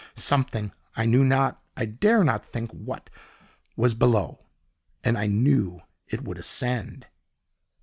Something, I knew not, I dare not think what, was below, and I KNEW it would ascend.